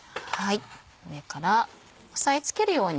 上から押さえつけるように。